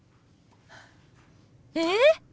えっ！？